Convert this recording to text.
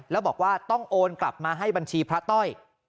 แล้วบอกว่าต้องโอนกลับมาให้บัญชีพระต้อย